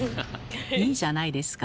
いいじゃないですか。